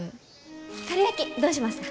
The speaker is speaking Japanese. かるやきどうしますか？